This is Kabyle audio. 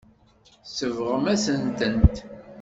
Tsebɣem-asent-tent.